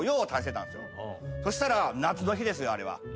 そしたら夏の日ですよあれは。